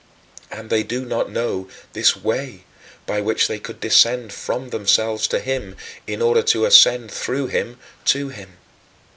And they do not know this "Way" by which they could descend from themselves to him in order to ascend through him to him.